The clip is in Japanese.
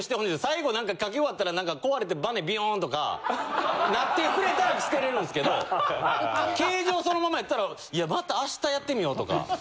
最後何か書き終わったら壊れてバネビヨンとかなってくれたら捨てれるんですけど形状そのままやったらいやまた明日やってみようとか。